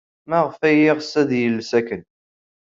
Maɣef ay yeɣs ad yels akken?